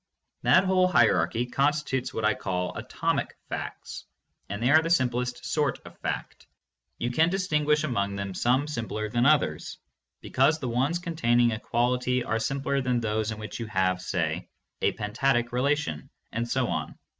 That whole hierarchy constitutes what I call atomic facts, and they are the simplest sort of fact. You can distinguish among them some simpler than others, because the ones containing a quality are simpler than those in which you have, say, a pentadic relation, and so on.